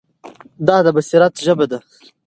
دا د بصیرت ژبه ده.